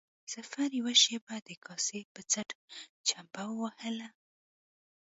ظفر يوه شېبه د کاسې په څټ چمبه ووهله.